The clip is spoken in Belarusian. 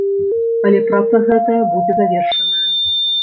Але праца гэтая будзе завершаная.